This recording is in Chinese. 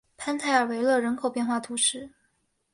潘泰尔维勒人口变化图示